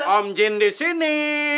om jin disini